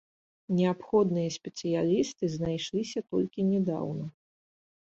Неабходныя спецыялісты знайшліся толькі нядаўна.